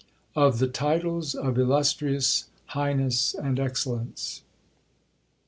OF THE TITLES OF ILLUSTRIOUS, HIGHNESS, AND EXCELLENCE.